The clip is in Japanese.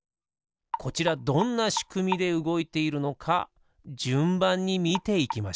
こちらどんなしくみでうごいているのかじゅんばんにみていきましょう。